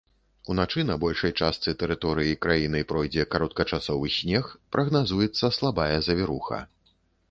Уначы на большай частцы тэрыторыі краіны пройдзе кароткачасовы снег, прагназуецца слабая завіруха.